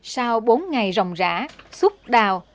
sau bốn ngày ròng rã xúc đào